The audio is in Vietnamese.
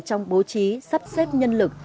trong bố trí sắp xếp nhân lực